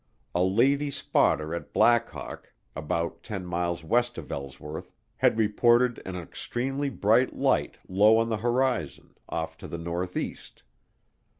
A lady spotter at Black Hawk, about 10 miles west of Ellsworth, had reported an extremely bright light low on the horizon, off to the northeast.